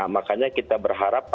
makanya kita berharap